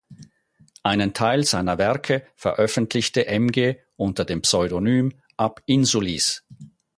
Einen Teil seiner Werke veröffentlichte Emge unter dem Pseudonym "Ab-Insulis".